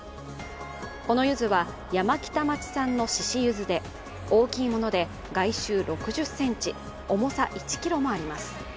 このゆずは、山北町産の獅子ゆずで大きいもので外周６０ｃｍ重さ１ｋｇもあります。